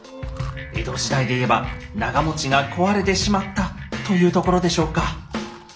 江戸時代で言えば長持ちが壊れてしまったというところでしょうか。